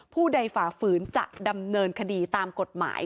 ผู้ใดฝ่าฝืนจะดำเนินคดีตามกฎหมาย